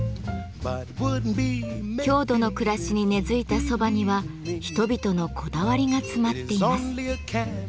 郷土の暮らしに根づいた蕎麦には人々のこだわりが詰まっています。